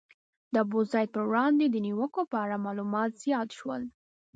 د ابوزید پر وړاندې د نیوکو په اړه معلومات زیات شول.